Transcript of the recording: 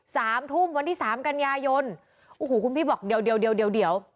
สามทุ่มวันที่สามกันยายนโอ้โหคุณพี่บอกเดี๋ยวเดี๋ยวเดี๋ยว